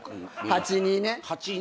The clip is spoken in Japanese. ８２ね。